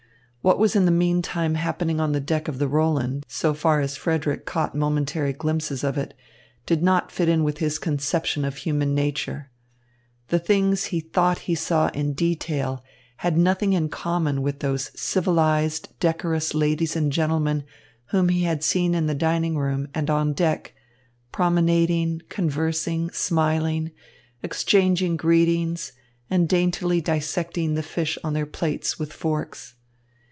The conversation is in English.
What was in the meantime happening on the deck of the Roland, so far as Frederick caught momentary glimpses of it, did not fit in with his conception of human nature. The things he thought he saw in detail had nothing in common with those civilised, decorous ladies and gentlemen whom he had seen in the dining room and on deck, promenading, conversing, smiling, exchanging greetings, and daintily dissecting the fish on their plates with forks.